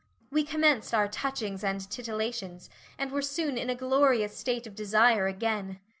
We commenced our touchings and titillations and were soon in a glorious state of desire again.